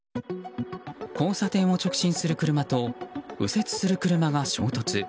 交差点を直進する車と右折する車が衝突。